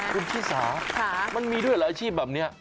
คุณชิสามันมีด้วยหลายอาชีพแบบนี้